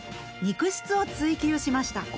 肉質を追求しました。